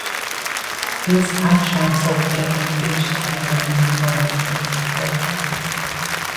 These actions are gained each time a new Mana joins the party.